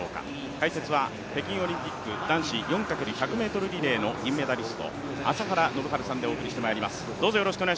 解説は北京オリンピック男子４×１００ｍリレーの銀メダリスト朝原宣治さんでお送りしてまいります。